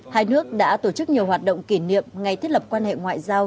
hai nước đã tổ chức nhiều hoạt động kỷ niệm ngày thiết lập quan hệ ngoại giao